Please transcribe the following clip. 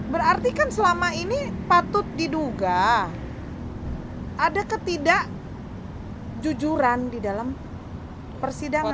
berarti kan selama ini patut diduga ada ketidakjujuran di dalam persidangan